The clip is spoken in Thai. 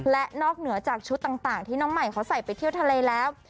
และนอกเหนือจากชุดต่างที่น้องใหม่เขาใส่ไปเที่ยวทะเลแล้ว